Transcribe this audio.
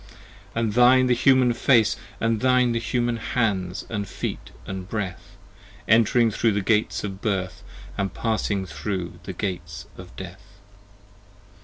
And thine the Human Face, & thine The Human Hands & Feet & Breath, 80 Entering thro' the Gates of Birth, And passing thro' the Gates of Death.